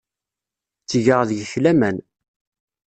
Ttgeɣ deg-k laman.